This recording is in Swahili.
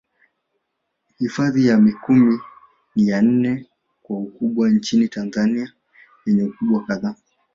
Hifadhi ya Mikumi ni ya nne kwa ukubwa nchini Tanzania yenye ukubwa kadhaa